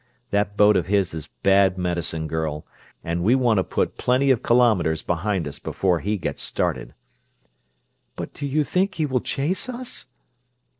That boat of his is bad medicine, girl, and we want to put plenty of kilometers behind us before he gets started." "But do you think he will chase us?"